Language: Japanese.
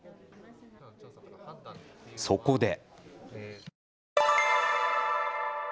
そこで。